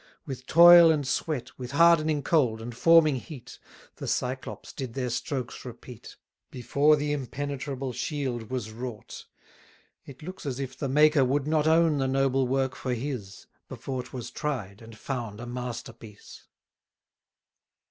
With toil and sweat, With hardening cold, and forming heat, The Cyclops did their strokes repeat, Before the impenetrable shield was wrought. It looks as if the Maker would not own The noble work for His, Before 'twas tried and found a masterpiece.